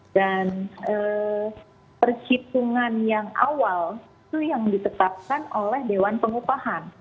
dan pershitungan yang awal itu yang ditetapkan oleh dewan pengupahan